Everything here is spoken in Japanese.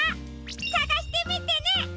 さがしてみてね！